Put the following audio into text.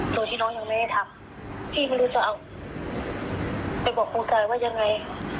โดยที่น้องยังไม่ได้ทำพี่ไม่รู้จะเอาไปบอกคุณกายว่ายังไง